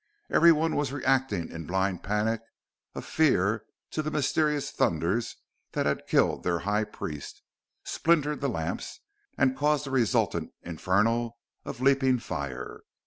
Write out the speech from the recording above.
Everyone was reacting in a blind panic of fear from the mysterious thunders that had killed their High Priest, splintered the lamps, and caused the resultant inferno of leaping fire.